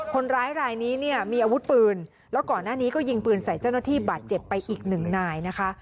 คนร้ายรายนี้เนี่ยมีอาวุธปืนแล้วก่อนหน้านี้ก็ยิงปืนใส่เจ้าหน้าที่บาดเจ็บไปอีกหนึ่งนายนะคะ